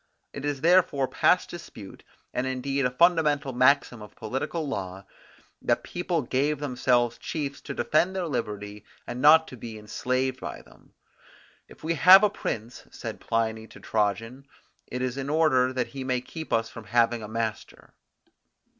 It is therefore past dispute, and indeed a fundamental maxim of political law, that people gave themselves chiefs to defend their liberty and not be enslaved by them. If we have a prince, said Pliny to Trajan, it is in order that he may keep us from having a master.